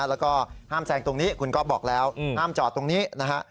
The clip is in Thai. แล้วก็ห้ามแซงตรงนี้คุณก๊อฟบอกแล้วห้ามจอดตรงนี้นะฮะ